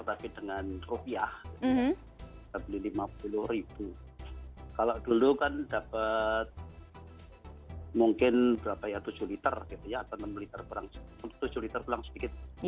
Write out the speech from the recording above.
tapi dengan rupiah kita beli lima puluh kalau dulu kan dapat mungkin berapa ya tujuh liter gitu ya atau enam liter kurang tujuh liter kurang sedikit